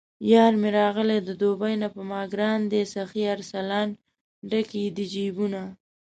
یارمې راغلی د دوبۍ نه په ماګران دی سخي ارسلان، ډک یې د جېبونه